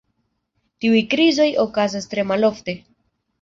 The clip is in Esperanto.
Tiuj krizoj okazas tre malofte.